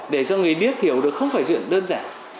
để cho người điếc hiểu được không phải chuyện đơn giản